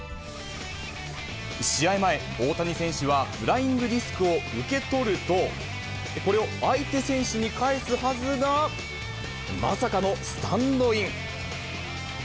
試合前、大谷選手は、フライングディスクを受け取ると、これを相手選手に返すはずが、まさかのスタンドイン。